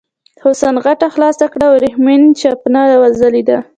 حسن غوټه خلاصه کړه او ورېښمین چپنه وځلېده.